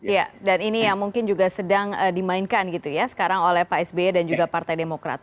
ya dan ini yang mungkin juga sedang dimainkan gitu ya sekarang oleh pak sby dan juga partai demokrat